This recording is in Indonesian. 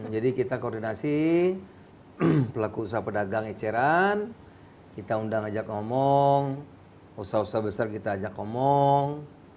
jadi kita koordinasi pelaku usaha pedagang eceran kita undang ajak ngomong usaha usaha besar kita ajak ngomong